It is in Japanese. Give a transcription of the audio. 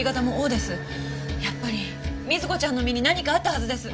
やっぱり瑞子ちゃんの身に何かあったはずです！